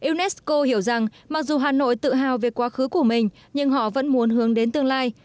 unesco hiểu rằng mặc dù hà nội tự hào về quá khứ của mình nhưng họ vẫn muốn hướng đến tương lai